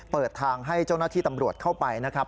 เปิดทางให้เจ้าหน้าที่ตำรวจเข้าไปนะครับ